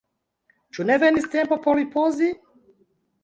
ĉu ne venis tempo por ripozi?